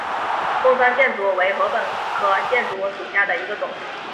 贡山箭竹为禾本科箭竹属下的一个种。